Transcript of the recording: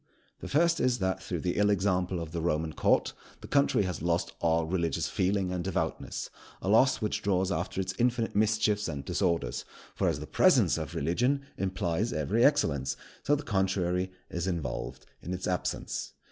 The first is, that, through the ill example of the Roman Court, the country has lost all religious feeling and devoutness, a loss which draws after it infinite mischiefs and disorders; for as the presence of religion implies every excellence, so the contrary is involved in its absence.